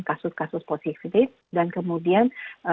kasus kasus positif dan kemudian